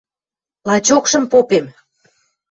Лачокшым попем.